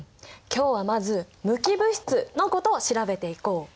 今日はまず無機物質のことを調べていこう。